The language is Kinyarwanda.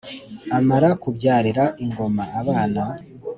Amara kubyarira ingoma abana